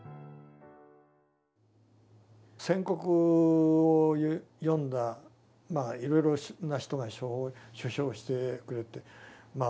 「宣告」を読んだまあいろいろな人が書評してくれてまあ